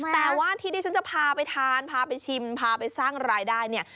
แต่ว่าที่ที่ฉันจะพาไปทานพาไปชิมพาไปสร้างรายได้เนี่ย